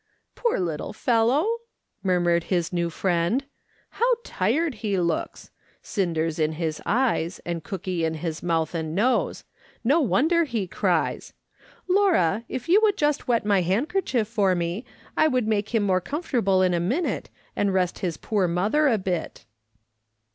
" Poor little fellow !" murmured his new friend ;" how tired he looks ! Cinders in his eyes and cooky in his mouth and nose ; no wonder he cries. Laura, if you w^ould just wet my handkerchief for me, I could make him more comfortable in a minute, and rest his poor mother a bit."